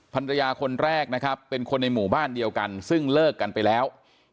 ภรรยาคนแรกนะครับเป็นคนในหมู่บ้านเดียวกันซึ่งเลิกกันไปแล้ว